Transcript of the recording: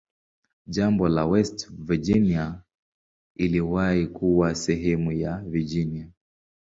Jimbo la West Virginia iliwahi kuwa sehemu ya Virginia.